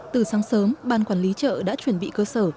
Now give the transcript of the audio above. từ sáng sớm ban quản lý chợ đã chuẩn bị cơ sở